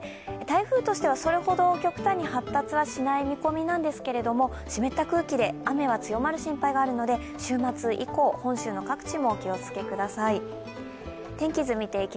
台風としてはそれほど極端に発達はしない見込みなんですけれども、湿った空気で雨が強まる心配があるので週末以降、本州の各地もお気をつけください。